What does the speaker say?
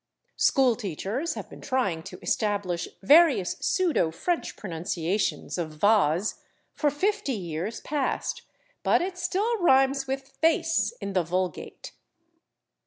School teachers have been trying to establish various pseudo French pronunciations of /vase/ for fifty years past, but it still rhymes with /face/ in the vulgate.